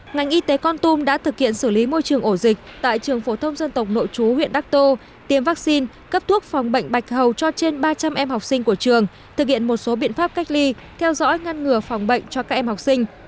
ngành y tế con tum đã thực hiện xử lý môi trường ổ dịch tại trường phổ thông dân tộc nội chú huyện đắc tô tiêm vaccine cấp thuốc phòng bệnh bạch hầu cho trên ba trăm linh em học sinh của trường thực hiện một số biện pháp cách ly theo dõi ngăn ngừa phòng bệnh cho các em học sinh